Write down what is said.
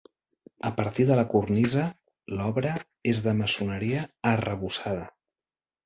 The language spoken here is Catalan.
A partir de la cornisa, l'obra és de maçoneria arrebossada.